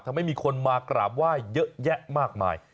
ทำให้มีคนมากราบไหว้เยอะแยะมากมาย